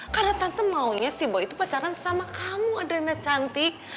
karena tante maunya si boy itu pacaran sama kamu adriana cantik